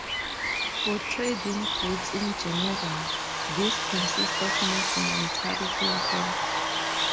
For trade in goods in general, these consist of maximum tariff levels.